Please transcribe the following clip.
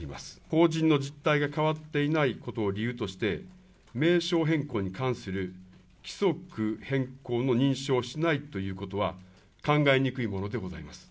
法人の実態が変わっていないことを理由として、名称変更に関する規則変更の認証をしないということは、考えにくいものでございます。